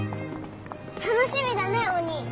楽しみだねおにぃ。